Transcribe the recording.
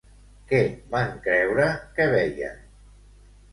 Què van creure que veien?